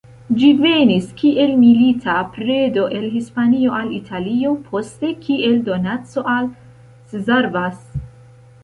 Ĝi venis, kiel milita predo el Hispanio al Italio, poste, kiel donaco, al Szarvas.